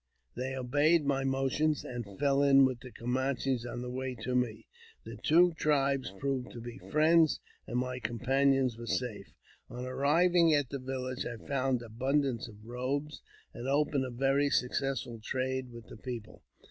They obeyed my motions, and fell in wit the 376 AUTOBIOGBAPHY OF JAMES P. BECKWOUBTH, Camanches on their way to me. The two tribes proved to friends, and my companions were safe. On arriving at the village I found abundance of robes, an^ opened a very successful trade with the people.